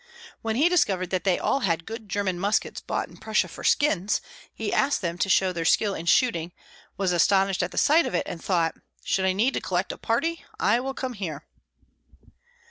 When he discovered that they all had good German muskets bought in Prussia for skins, he asked them to show their skill in shooting, was astonished at sight of it, and thought, "Should I need to collect a party, I will come here."